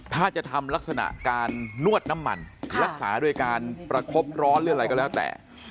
ถ้าจะทำลักษณะการนวดน้ำมันรักษาโดยการประคบร้อนหรืออะไรก็แล้วแต่